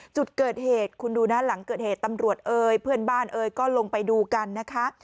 จุดเกิดเหตุคุณดูนะหลังเกิดเหตุตำรวจเอ่ยเพื่อนบ้านเอ๋ยก็ลงไปดูกันนะคะ